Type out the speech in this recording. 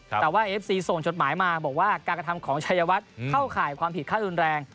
แต่ว่าเอฟซีส่งจดหมายมาบอกว่าการกระทำของชัยวัดเข้าข่ายความผิดค่ารุนแรง